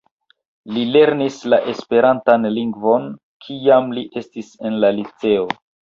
Li lernis la esperantan lingvon kiam li estis en la liceo.